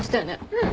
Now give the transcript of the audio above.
うん。